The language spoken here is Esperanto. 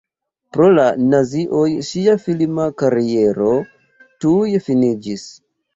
Pro la nazioj ŝia filma kariero tuj finiĝis.